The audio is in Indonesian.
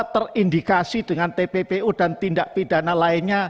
terindikasi dengan tppu dan tindak pidana lainnya